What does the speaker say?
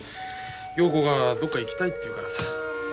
陽子がどこか行きたいって言うからさ。